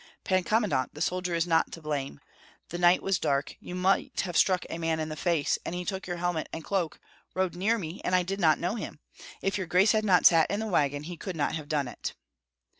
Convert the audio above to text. "Pan Commandant, the soldier is not to blame. The night was dark, you might have struck a man in the face, and he took your helmet and cloak; rode near me, and I did not know him. If your grace had not sat in the wagon, he could not have done it."